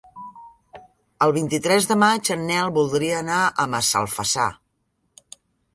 El vint-i-tres de maig en Nel voldria anar a Massalfassar.